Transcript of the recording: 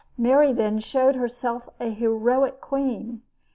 Mary then showed herself a heroic queen.